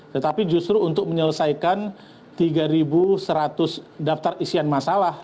tetapi justru untuk menyelesaikan tiga seratus daftar isian masalah